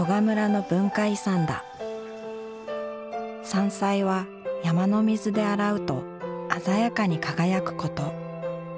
山菜は山の水で洗うと鮮やかに輝くこと。